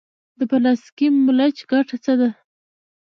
د پلاستیکي ملچ ګټه څه ده؟